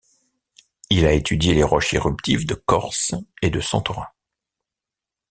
Il a étudié les roches éruptives de Corse et de Santorin.